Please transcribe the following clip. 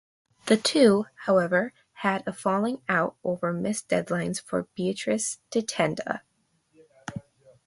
The two, however, had a falling out over missed deadlines for "Beatrice di Tenda.".